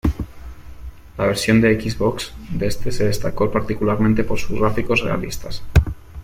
La versión de Xbox de este se destacó particularmente por sus gráficos realistas.